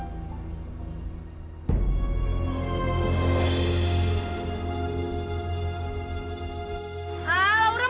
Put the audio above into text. tidak ada yang bisa dipercaya